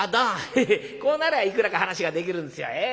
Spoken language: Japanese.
ヘヘヘこうなりゃいくらか話ができるんですよええ。